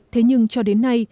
thế nhưng cho đến nay